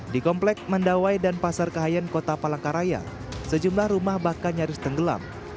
di komplek mandawai dan pasar kahayan kota palangkaraya sejumlah rumah bahkan nyaris tenggelam